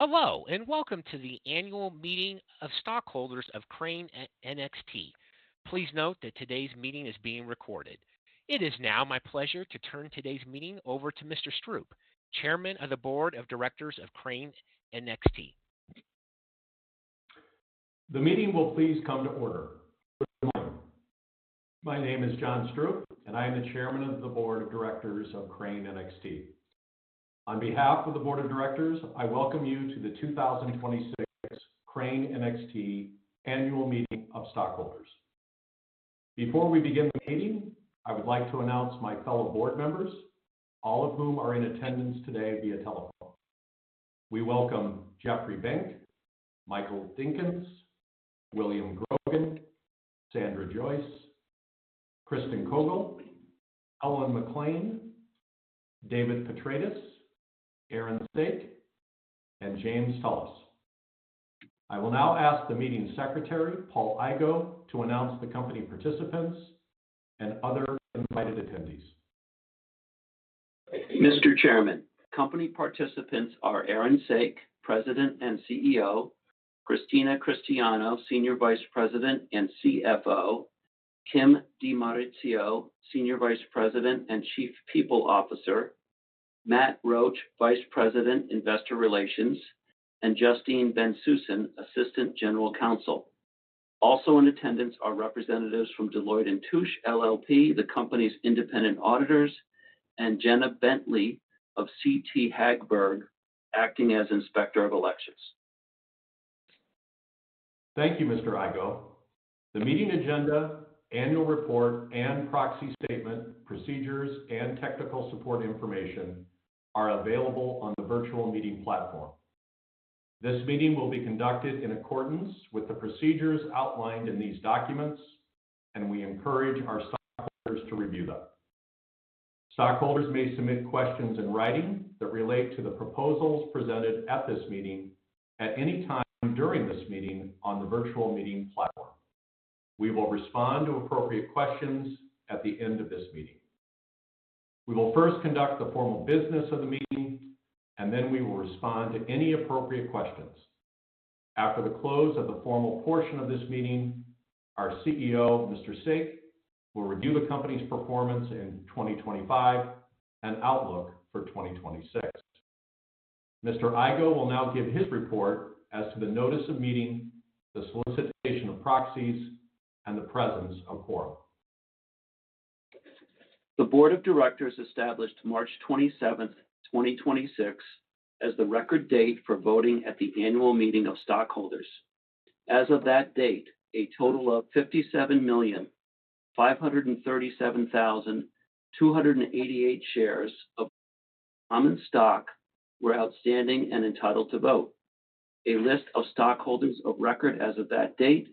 Hello, welcome to the Annual Meeting of Stockholders of Crane NXT. Please note that today's meeting is being recorded. It is now my pleasure to turn today's meeting over to Mr. Stroup, Chairman of the Board of Directors of Crane NXT. The meeting will please come to order. Good morning. My name is John Stroup, I am the Chairman of the Board of Directors of Crane NXT. On behalf of the Board of Directors, I welcome you to the 2026 Crane NXT Annual Meeting of Stockholders. Before we begin the meeting, I would like to announce my fellow Board Members, all of whom are in attendance today via telephone. We welcome Jeffrey Benck, Michael Dinkins, William Grogan, Sandra Joyce, Cristen Kogl, Ellen McClain, David Petratis, Aaron Saak, and James Tullis. I will now ask the Meeting Secretary, Paul Igoe, to announce the company participants and other invited attendees. Mr. Chairman, company participants are Aaron Saak, President and CEO, Christina Cristiano, Senior Vice President and CFO, Kim DiMaurizio, Senior Vice President and Chief People Officer, Matt Roache, Vice President, Investor Relations, and Justine Bensussen, Assistant General Counsel. Also in attendance are representatives from Deloitte & Touche LLP, the company's independent auditors, and Jenna Bentley of CT Hagberg, acting as Inspector of Elections. Thank you, Mr. Igoe. The meeting agenda, annual report, and proxy statement, procedures, and technical support information are available on the virtual meeting platform. This meeting will be conducted in accordance with the procedures outlined in these documents, and we encourage our stockholders to review them. Stockholders may submit questions in writing that relate to the proposals presented at this meeting at any time during this meeting on the virtual meeting platform. We will respond to appropriate questions at the end of this meeting. We will first conduct the formal business of the meeting, and then we will respond to any appropriate questions. After the close of the formal portion of this meeting, our CEO, Mr. Saak, will review the company's performance in 2025 and outlook for 2026. Mr. Igoe will now give his report as to the notice of meeting, the solicitation of proxies, and the presence of quorum. The Board of Directors established March 27th, 2026, as the record date for voting at the Annual Meeting of Stockholders. As of that date, a total of 57,537,288 shares of common stock were outstanding and entitled to vote. A list of stockholders of record as of that date,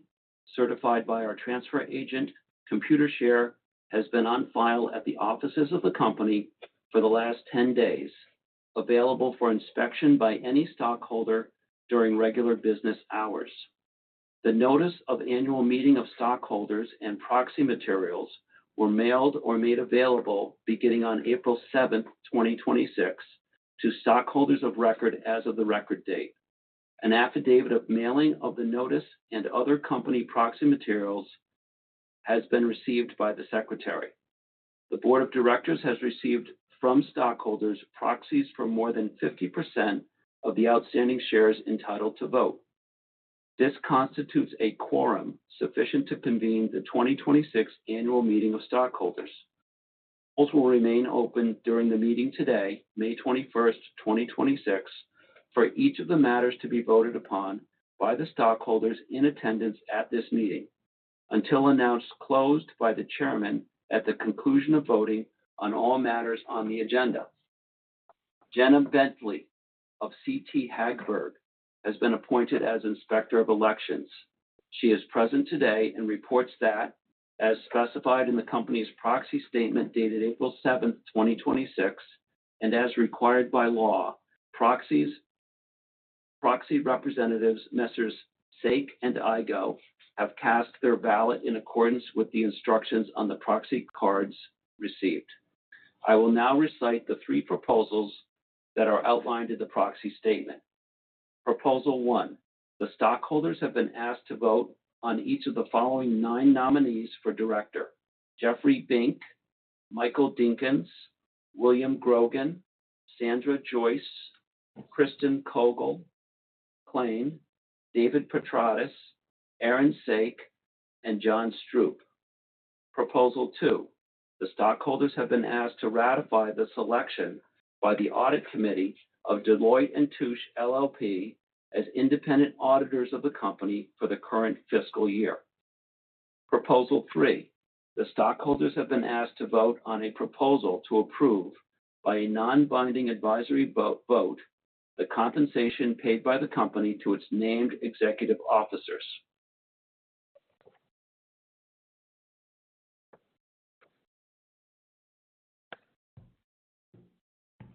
certified by our transfer agent, Computershare, has been on file at the offices of the company for the last 10 days, available for inspection by any stockholder during regular business hours. The notice of Annual Meeting of Stockholders and proxy materials were mailed or made available beginning on April 7th, 2026, to stockholders of record as of the record date. An affidavit of mailing of the notice and other company proxy materials has been received by the secretary. The Board of Directors has received from stockholders proxies for more than 50% of the outstanding shares entitled to vote. This constitutes a quorum sufficient to convene the 2026 Annual Meeting of Stockholders. Polls will remain open during the meeting today, May 21st, 2026, for each of the matters to be voted upon by the stockholders in attendance at this meeting until announced closed by the chairman at the conclusion of voting on all matters on the agenda. Jenna Bentley of CT Hagberg has been appointed as Inspector of Elections. She is present today and reports that as specified in the company's proxy statement dated April 7th, 2026, and as required by law, proxy representatives, Messrs. Saak and Igoe, have cast their ballot in accordance with the instructions on the proxy cards received. I will now recite the three proposals that are outlined in the proxy statement. Proposal 1, the stockholders have been asked to vote on each of the following nine nominees for director: Jeffrey Benck, Michael Dinkins, William Grogan, Sandra Joyce, Cristen Kogl, David Petratis, Aaron Saak, and John Stroup. Proposal 2, the stockholders have been asked to ratify the selection by the audit committee of Deloitte & Touche LLP as independent auditors of the company for the current fiscal year. Proposal 3, the stockholders have been asked to vote on a proposal to approve by a non-binding advisory vote the compensation paid by the company to its named executive officers.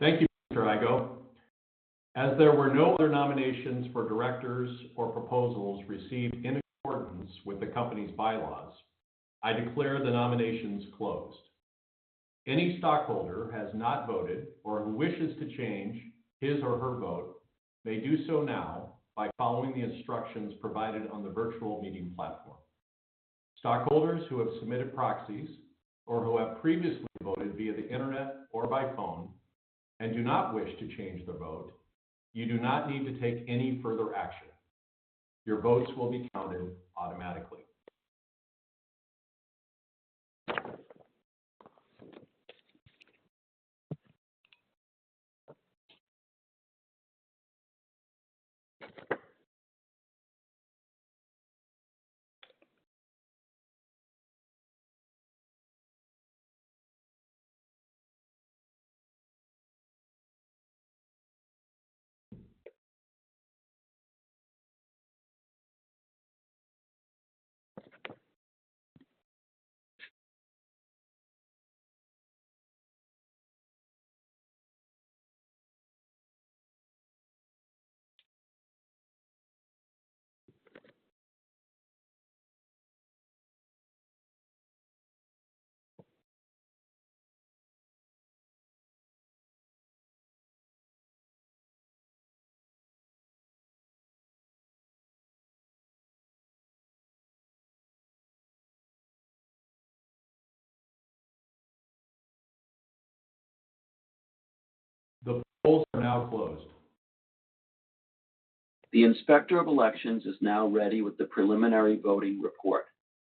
Thank you, Mr. Igoe. As there were no other nominations for directors or proposals received in accordance with the company's bylaws, I declare the nominations closed. Any stockholder has not voted or who wishes to change his or her vote may do so now by following the instructions provided on the virtual meeting platform. Stockholders who have submitted proxies or who have previously voted via the internet or by phone and do not wish to change their vote, you do not need to take any further action. Your votes will be counted automatically. The polls are now closed. The Inspector of Elections is now ready with the preliminary voting report.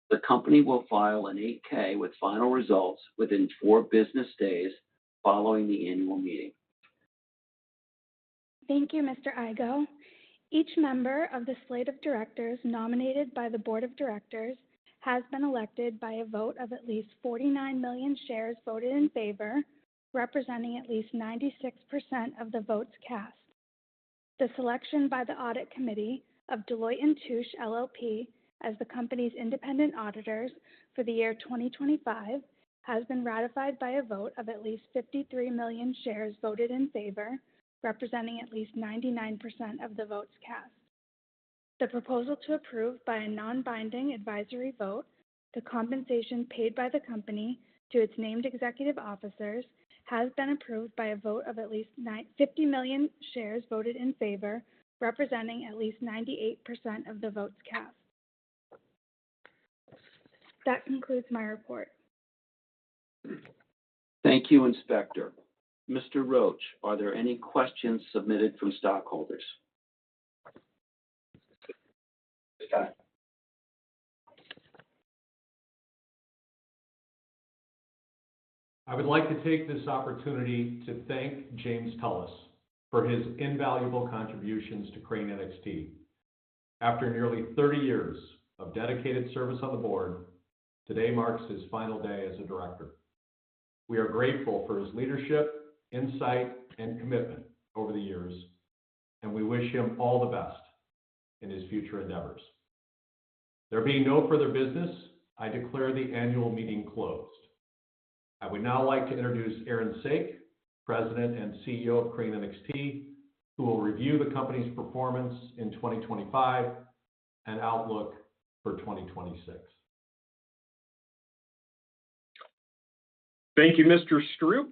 The company will file an 8-K with final results within four business days following the annual meeting. Thank you, Mr. Igoe. Each member of the slate of directors nominated by the Board of Directors has been elected by a vote of at least 49 million shares voted in favor, representing at least 96% of the votes cast. The selection by the audit committee of Deloitte & Touche LLP as the company's independent auditors for the year 2025 has been ratified by a vote of at least 53 million shares voted in favor, representing at least 99% of the votes cast. The proposal to approve by a non-binding advisory vote the compensation paid by the company to its named executive officers has been approved by a vote of at least 50 million shares voted in favor, representing at least 98% of the votes cast. That concludes my report. Thank you, Inspector. Mr. Roache, are there any questions submitted from stockholders? I would like to take this opportunity to thank James Tullis for his invaluable contributions to Crane NXT. After nearly 30 years of dedicated service on the board, today marks his final day as a director. We are grateful for his leadership, insight, and commitment over the years, and we wish him all the best in his future endeavors. There being no further business, I declare the annual meeting closed. I would now like to introduce Aaron Saak, President and CEO of Crane NXT, who will review the company's performance in 2025 and outlook for 2026. Thank you, Mr. Stroup.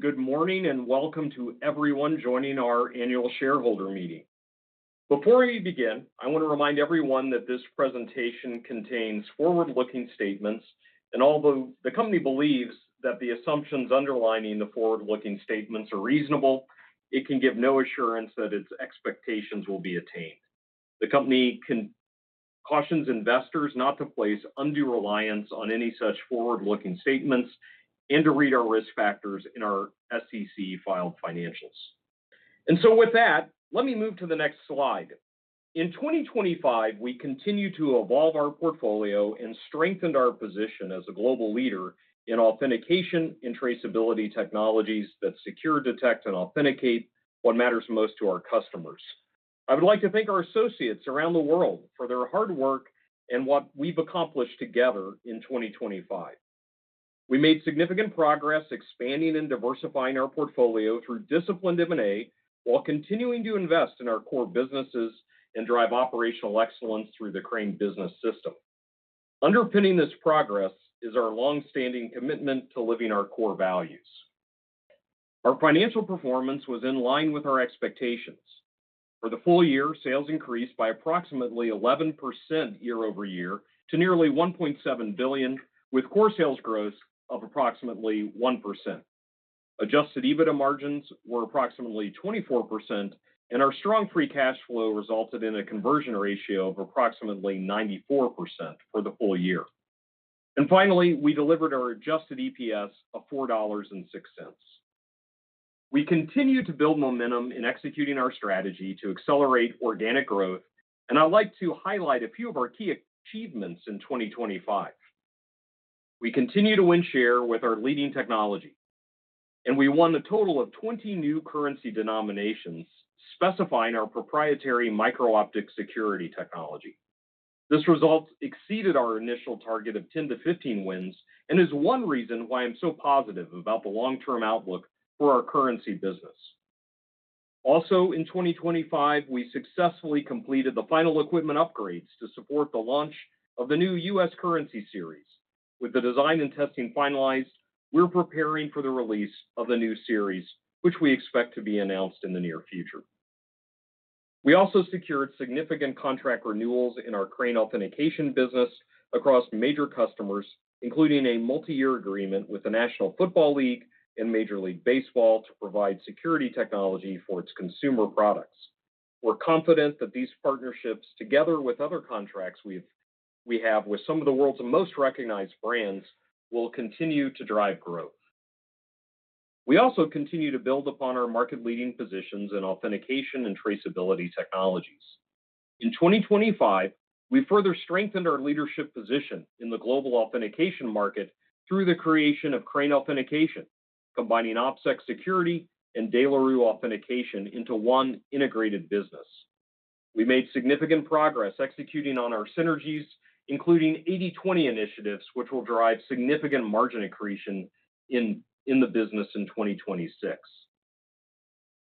Good morning and welcome to everyone joining our annual shareholder meeting. Before we begin, I want to remind everyone that this presentation contains forward-looking statements, and although the company believes that the assumptions underlying the forward-looking statements are reasonable, it can give no assurance that its expectations will be attained. The company cautions investors not to place undue reliance on any such forward-looking statements and to read our risk factors in our SEC filed financials. With that, let me move to the next slide. In 2025, we continued to evolve our portfolio and strengthened our position as a global leader in authentication and traceability technologies that secure, detect, and authenticate what matters most to our customers. I would like to thank our associates around the world for their hard work and what we've accomplished together in 2025. We made significant progress expanding and diversifying our portfolio through disciplined M&A while continuing to invest in our core businesses and drive operational excellence through the Crane Business System. Underpinning this progress is our longstanding commitment to living our core values. Our financial performance was in line with our expectations. For the full year, sales increased by approximately 11% year-over-year to nearly $1.7 billion, with core sales growth of approximately 1%. Adjusted EBITDA margins were approximately 24%, and our strong free cash flow resulted in a conversion ratio of approximately 94% for the full year. Finally, we delivered our adjusted EPS of $4.06. We continue to build momentum in executing our strategy to accelerate organic growth, and I'd like to highlight a few of our key achievements in 2025. We continue to win share with our leading technology, and we won a total of 20 new currency denominations specifying our proprietary micro-optic security technology. This result exceeded our initial target of 10-15 wins and is one reason why I'm so positive about the long-term outlook for our currency business. Also in 2025, we successfully completed the final equipment upgrades to support the launch of the new U.S. currency series. With the design and testing finalized, we're preparing for the release of the new series, which we expect to be announced in the near future. We also secured significant contract renewals in our Crane Authentication business across major customers, including a multi-year agreement with the National Football League and Major League Baseball to provide security technology for its consumer products. We're confident that these partnerships, together with other contracts we have with some of the world's most recognized brands, will continue to drive growth. We also continue to build upon our market-leading positions in authentication and traceability technologies. In 2025, we further strengthened our leadership position in the global authentication market through the creation of Crane Authentication, combining OpSec Security and De La Rue Authentication into one integrated business. We made significant progress executing on our synergies, including 80/20 initiatives, which will drive significant margin accretion in the business in 2026.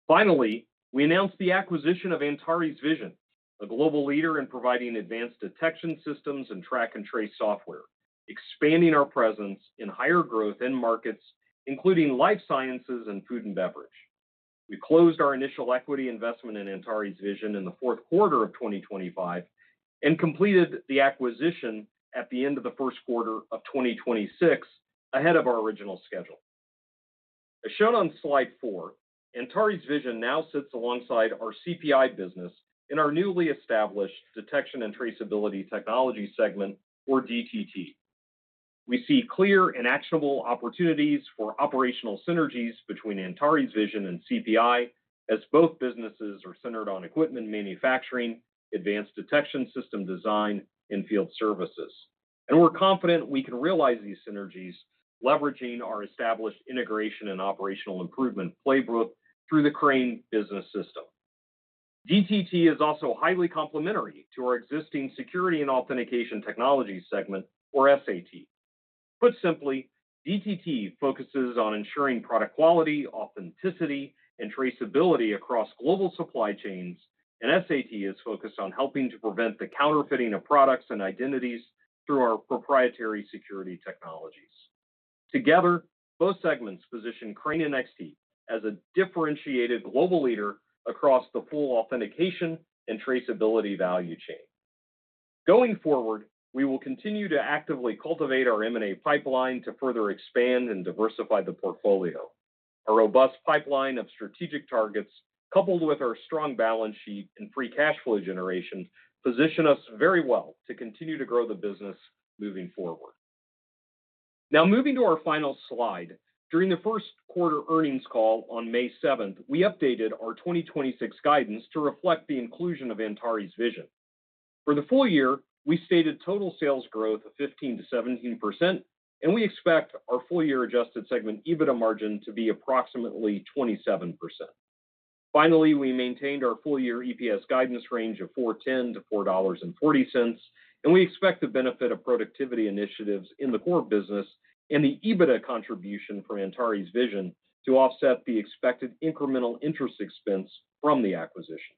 Finally, we announced the acquisition of Antares Vision, a global leader in providing advanced detection systems and track and trace software, expanding our presence in higher growth end markets, including life sciences and food and beverage. We closed our initial equity investment in Antares Vision in the fourth quarter of 2025 and completed the acquisition at the end of the first quarter of 2026, ahead of our original schedule. As shown on slide four, Antares Vision now sits alongside our CPI business in our newly established Detection and Traceability Technology segment, or DTT. We see clear and actionable opportunities for operational synergies between Antares Vision and CPI, as both businesses are centered on equipment manufacturing, advanced detection system design, and field services. We're confident we can realize these synergies, leveraging our established integration and operational improvement playbook through the Crane Business System. DTT is also highly complementary to our existing Security and Authentication Technology segment, or SAT. Put simply, DTT focuses on ensuring product quality, authenticity, and traceability across global supply chains, and SAT is focused on helping to prevent the counterfeiting of products and identities through our proprietary security technologies. Together, both segments position Crane NXT as a differentiated global leader across the full authentication and traceability value chain. Going forward, we will continue to actively cultivate our M&A pipeline to further expand and diversify the portfolio. A robust pipeline of strategic targets, coupled with our strong balance sheet and free cash flow generation, position us very well to continue to grow the business moving forward. Now moving to our final slide. During the first quarter earnings call on May 7th, we updated our 2026 guidance to reflect the inclusion of Antares Vision. For the full year, we stated total sales growth of 15%-17%. We expect our full-year adjusted segment EBITDA margin to be approximately 27%. Finally, we maintained our full-year EPS guidance range of $4.10-$4.40. We expect the benefit of productivity initiatives in the core business and the EBITDA contribution for Antares Vision to offset the expected incremental interest expense from the acquisition.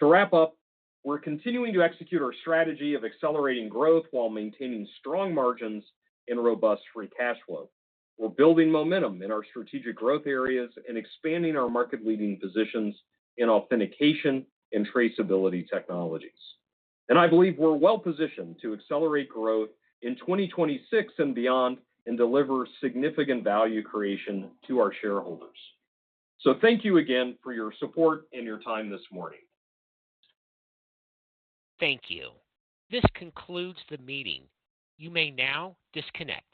To wrap up, we're continuing to execute our strategy of accelerating growth while maintaining strong margins and robust free cash flow. We're building momentum in our strategic growth areas and expanding our market-leading positions in authentication and traceability technologies. I believe we're well positioned to accelerate growth in 2026 and beyond and deliver significant value creation to our shareholders. Thank you again for your support and your time this morning. Thank you. This concludes the meeting. You may now disconnect.